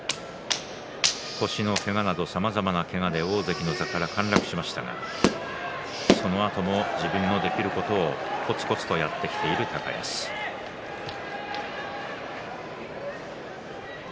さまざまなけがで大関の座から陥落しましたが自分のできることをこつこつと積み上げてきている高安です。